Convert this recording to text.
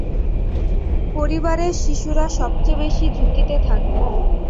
পরিবারের শিশুরা সবচেয়ে বেশি ঝুঁকিতে থাকে।